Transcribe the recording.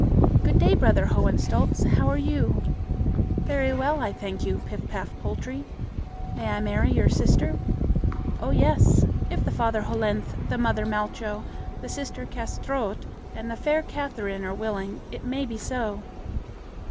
"Good day, brother Hohenstolz. How are you?" "Very well, I thank you, Pif paf Poltrie." "May I marry your sister?" "Oh, yes! if the father Hollenthe, the mother Malcho, the sister Kâsetraut, and the fair Catherine are willing, it may be so.